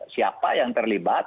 siapa yang terlibat